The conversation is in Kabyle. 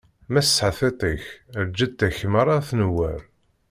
Ma tṣeḥḥa tiṭ-ik, lǧetta-k meṛṛa ad tnewweṛ.